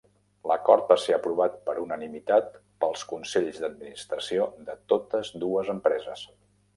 L'acord va ser aprovat per unanimitat pels consells d'administració de totes dues empreses.